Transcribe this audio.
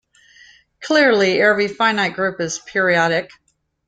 Clearly, every finite group is periodic.